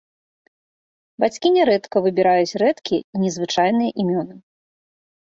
Бацькі нярэдка выбіраюць рэдкія і незвычайныя імёны.